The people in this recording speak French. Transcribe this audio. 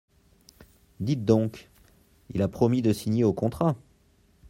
Dites donc, il a promis de signer au contrat…